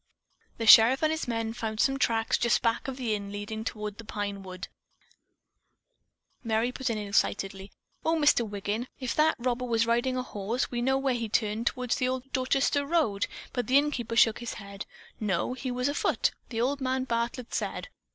The sheriff and his men found some tracks just back of the inn leading toward the pine wood." Merry put in excitedly: "Oh, Mr. Wiggin, if that robber was riding a horse, we know where he turned toward the old Dorchester road." But the innkeeper shook his head. "No, he was afoot, old man Bartlett said.